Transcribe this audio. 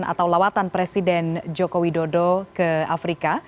atau lawatan presiden joko widodo ke afrika